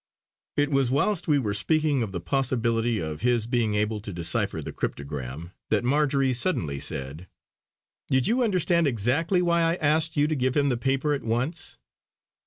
It was whilst we were speaking of the possibility of his being able to decipher the cryptogram, that Marjory suddenly said: "Did you understand exactly why I asked you to give him the paper at once?"